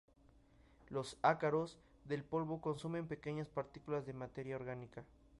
Los ácaros del polvo consumen pequeñas partículas de materia orgánica.